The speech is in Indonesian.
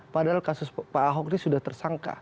padahal kasus pak ahok ini sudah tersangka